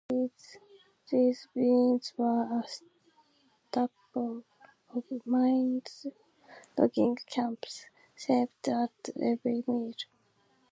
These beans were a staple of Maine's logging camps, served at every meal.